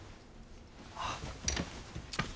あっ。